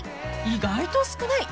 ［意外と少ない］